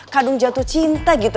kadung jatuh cinta gitu